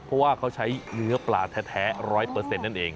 เพราะว่าเขาใช้เนื้อปลาแท้๑๐๐นั่นเอง